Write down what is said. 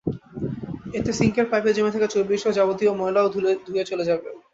এতে সিংকের পাইপে জমে থাকা চর্বিসহ যাবতীয় ময়লাও ধুয়ে চলে যাবে।